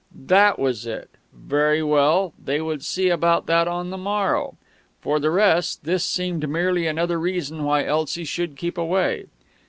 That was it! Very well; they would see about that on the morrow.... For the rest, this seemed merely another reason why Elsie should keep away....